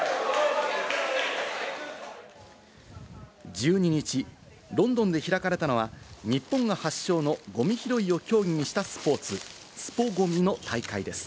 １２日、ロンドンで開かれたのは日本が発祥のゴミ拾いを協議したスポーツ、スポＧＯＭＩの大会です。